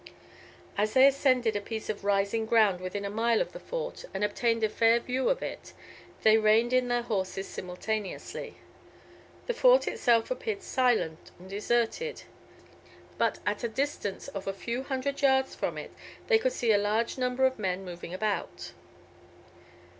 As they ascended a piece of rising ground within a mile of the Fort, and obtained a fair view of it, they reined in their horses simultaneously. The Fort itself appeared silent and deserted, but at a distance of a few hundred yards from it they could see a large number of men moving about.